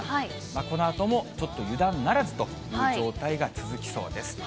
このあともちょっと、油断ならずという状態が続きそうです。